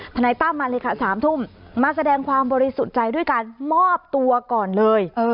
นายตั้มมาเลยค่ะ๓ทุ่มมาแสดงความบริสุทธิ์ใจด้วยการมอบตัวก่อนเลย